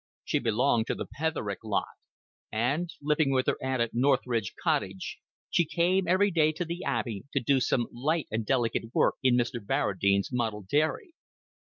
She belonged to the Petherick lot; and, living with her aunt at North Ride Cottage, she came every day to the Abbey to do some light and delicate work in Mr. Barradine's model dairy.